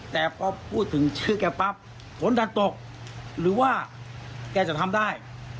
แต่พอพูดถึงชื่อแกปั๊บฝนดันตกหรือว่าแกจะทำได้